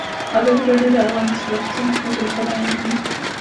ازادي راډیو د اقتصاد د ستونزو رېښه بیان کړې.